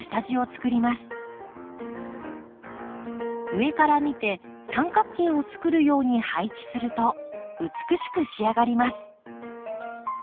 上から見て三角形をつくるように配置すると美しく仕上がります。